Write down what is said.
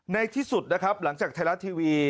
ในที่สุดนะครับหลังจากไทยรัฐทีวี